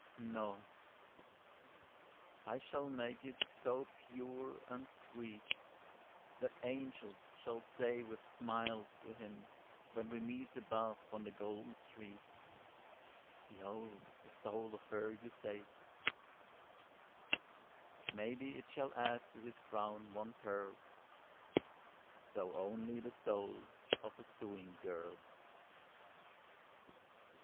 No, I will make it so pure and sweet, That angels shall say with smiles to him, When we meet above on the golden street: "Behold the soul of her you saved." Maybe it shall add to his crown one pearl, Though only the soul of a sewing girl.